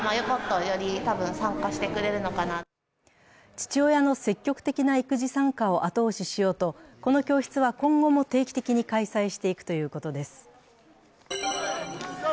父親の積極的な育児参加を後押ししようと、この教室は今後も定期的に開催していくということです。